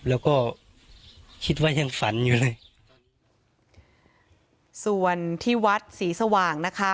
แล้วก็คิดว่ายังฝันอยู่เลยส่วนที่วัดศรีสว่างนะคะ